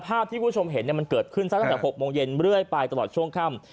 ภาพที่คุณผู้ชมเห็นมันเกิดขึ้นตั้งแต่๖โมงเย็นเรื่อยไปตลอดช่วงค่ำ